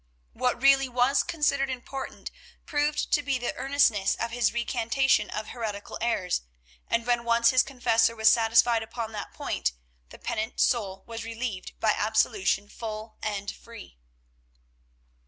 What really was considered important proved to be the earnestness of his recantation of heretical errors, and when once his confessor was satisfied upon that point, the penitent soul was relieved by absolution full and free.